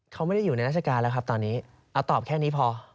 เขาไม่ได้อยู่ในราชการแล้วครับตอนนี้เอาตอบแค่นี้พอ